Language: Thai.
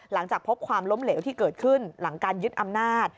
หลังจากพบความล้มเหลวที่เกิดขึ้นหลังการยึดอำนาจ